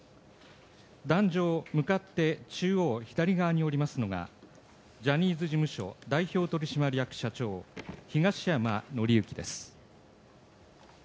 檀上、向かって、左側におりますのが、ジャニーズ事務所代表取締役社長、東山紀之です。